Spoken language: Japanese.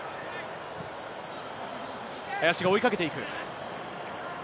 林が追いかけていく。